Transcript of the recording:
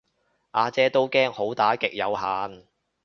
呀姐都驚好打極有限